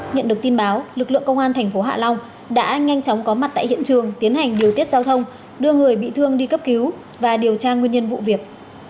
nhận được tin báo lực lượng công an thành phố hạ long đã nhanh chóng có mặt tại hiện trường tiến hành điều tiết giao thông đưa người bị thương đi cấp cứu và điều tra nguyên nhân vụ việc